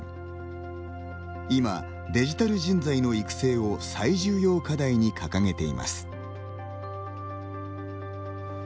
今、デジタル人材の育成を最重要課題に掲げています。